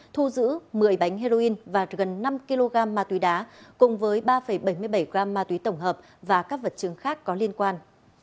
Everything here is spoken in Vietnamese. thu giữ một mươi bánh heroin và gần năm kg ma túy đá cùng với ba bảy mươi bảy gram ma túy tổng hợp và các vật chứng khác có liên quan